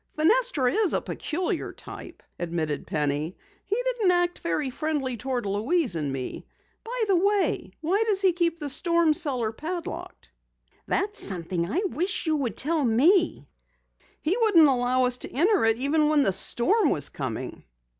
"Fenestra is a peculiar type," admitted Penny. "He didn't act very friendly toward Louise and me. By the way, why does he keep the storm cellar padlocked?" "That's something I wish you would tell me." "He wouldn't allow us to enter it even when the storm was coming."